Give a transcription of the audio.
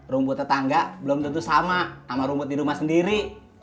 rumput tetangga belum tentu sama sama rumput di rumah sendiri